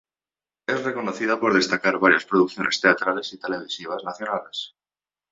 Es reconocida por destacar varias producciones teatrales y televisivas nacionales.